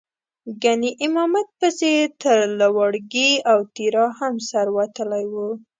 ګنې امامت پسې یې تر لواړګي او تیرا هم سر وتلی و.